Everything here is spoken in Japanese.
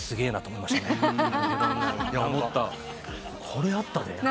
これあったで。